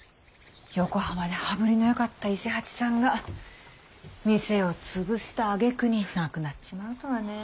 横浜で羽振りのよかった伊勢八さんが店を潰したあげくに亡くなっちまうとはねぇ。